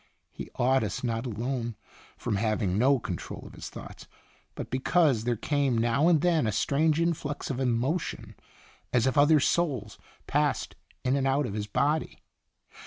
He awed us not alone from having no con trol of his thoughts, but because there came now and then a strange influx of. emotion as if other souls passed in and out of his body.